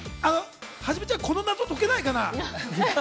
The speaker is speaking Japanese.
はじめちゃん、この謎、解けないかな？